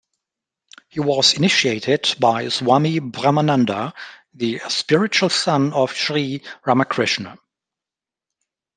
He was initiated by Swami Brahmananda, the spiritual son of Sri Ramakrishna.